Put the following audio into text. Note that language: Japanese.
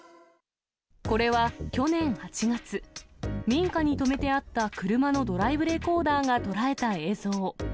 これは去年８月、民家に止めてあった車のドライブレコーダーが捉えた映像。